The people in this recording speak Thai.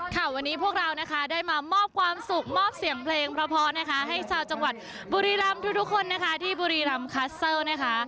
ค่ะวันนี้พวกเราได้มามอบความสุขมอบเสียงเพลงพระพรให้ชาวจังหวัดบุรีรัมน์ทุกคนที่บุรีรัมน์คัสเซอร์นะคะ